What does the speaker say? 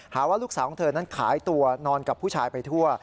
หาว่าลูกสาวของเธอนั้นขายตัวนอนกับผู้ชายไปทั่ว